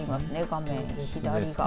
画面左側。